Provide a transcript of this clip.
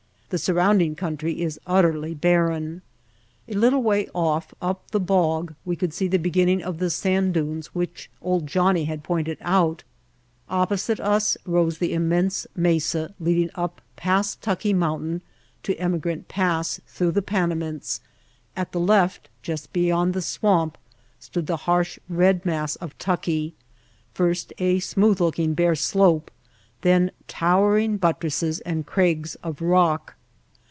The surrounding country is utterly barren. A little way off up the bog we could see the be ginning of the sand dunes which "Old Johnnie" had pointed out, opposite us rose the immense mesa leading up past Tucki Mountain to Emi grant Pass through the Panamints, at the left just beyond the swamp stood the harsh, red mass The Dry Camp of Tucki, first a smooth looking bare slope, then towering buttresses and crags of rock.